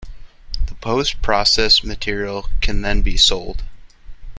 The post-processed material can then be sold.